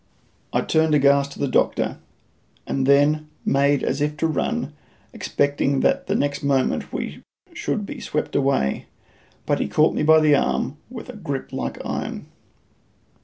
I turned aghast to the doctor, and then made as if to run, expecting that the next moment we should be swept away; but he caught me by the arm with a grip like iron.